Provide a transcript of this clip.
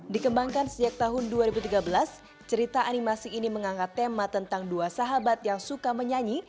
dikembangkan sejak tahun dua ribu tiga belas cerita animasi ini mengangkat tema tentang dua sahabat yang suka menyanyi